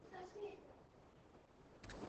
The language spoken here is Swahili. Ferne Arfin Weka umbali wako wa kuendesha